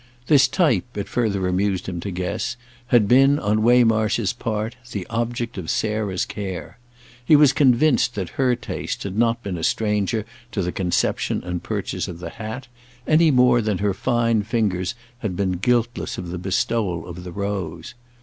This type, it further amused him to guess, had been, on Waymarsh's part, the object of Sarah's care; he was convinced that her taste had not been a stranger to the conception and purchase of the hat, any more than her fine fingers had been guiltless of the bestowal of the rose.